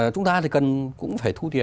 chúng ta thì cần cũng phải thu tiền